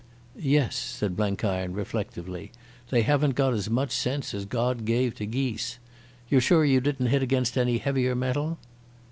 "Yes," said Blenkiron reflectively. "They haven't got as much sense as God gave to geese. You're sure you didn't hit against any heavier metal?"